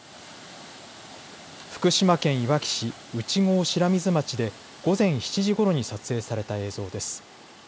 福島県いわき市内郷白水町で午前７時ごろに撮影された映像です。